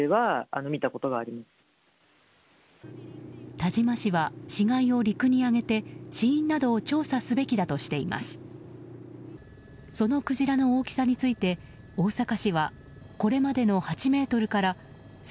田島氏は死がいを陸に上げて死因などを調査すべきだとしています。